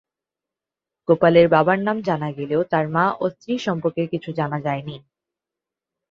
গোপালের বাবার নাম জানা গেলেও তার মা ও স্ত্রী সম্পর্কে কিছু জানা যায়নি।